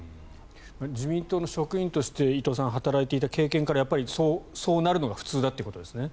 自民党の職員として伊藤さんは働いていた経験からそうなるのが普通ということですね。